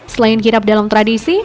selain kirap dalam tradisi